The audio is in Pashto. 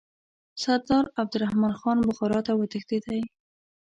سردار عبدالرحمن خان بخارا ته وتښتېدی.